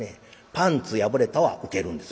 「パンツ破れた」はウケるんです。